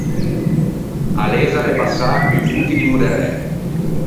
A lezze a l’é passâ co-i voti di moderæ.